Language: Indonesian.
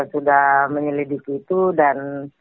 sudah menyelidiki itu dan